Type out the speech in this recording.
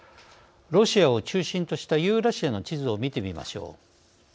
ロシアを中心としたユーラシアの地図を見てみましょう。